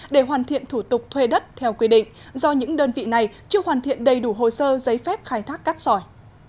để hoàn thiện thủ tục thuê đất theo quy định do những đơn vị này chưa hoàn thiện đầy đủ hồ sơ giấy phép khai thác cát sỏi